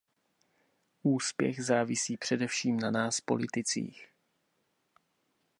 Úspěch závisí především na nás, politicích.